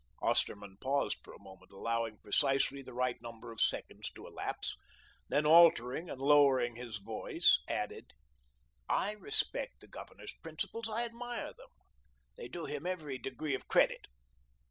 Osterman paused for a moment, allowing precisely the right number of seconds to elapse, then altering and lowering his voice, added: "I respect the Governor's principles. I admire them. They do him every degree of credit."